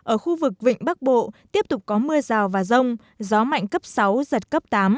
ở khu vực vịnh bắc bộ tiếp tục có mưa rào và rông gió mạnh cấp sáu giật cấp tám